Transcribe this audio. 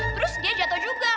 terus dia jatuh juga